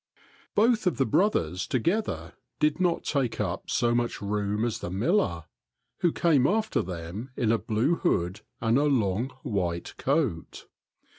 Both of the brothers together did not take up so much room as the miller, who came after them in a blue hood and a long white coat.